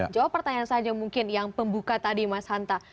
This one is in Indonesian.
jawab pertanyaan saja mungkin yang pembuka tadi mas hanta